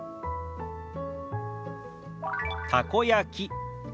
「たこ焼き」。